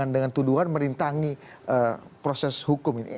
dengan tuduhan merintangi proses hukum ini